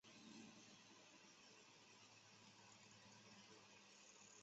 洛杉矶大都会交通运输局的快速公交和多条普速公交车线路在此汇集。